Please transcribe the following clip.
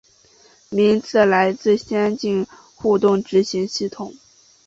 名称来自先进互动执行系统。